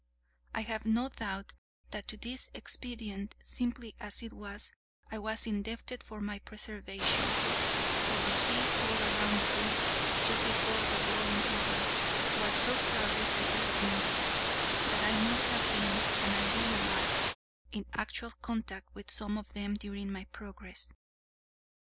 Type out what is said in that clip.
I have no doubt that to this expedient, simple as it was, I was indebted for my preservation; for the sea all round the brig, just before her rolling over, was so crowded with these monsters, that I must have been, and really was, in actual contact with some of them during my progress.